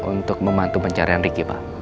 untuk membantu pencarian riki pak